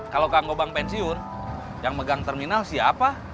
kalau kang gebang pensiun yang megang terminal siapa